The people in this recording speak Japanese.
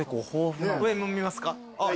上も見ますか？